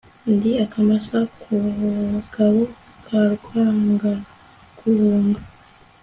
ndi akamasa kubugabo ka Rwangaguhunga